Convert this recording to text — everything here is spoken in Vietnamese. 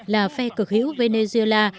là phe cực hữu venezuela